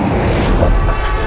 masukin rumah siapa